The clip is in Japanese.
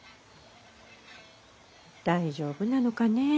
大丈夫なのかね。